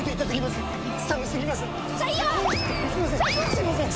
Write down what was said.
すいません！